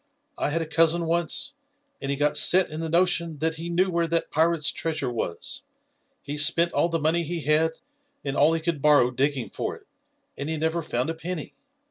I had a cousin once, and he got set in the notion that he knew where that pirate's treasure was. He spent all the money he had and all he could borrow digging for it, and he never found a penny.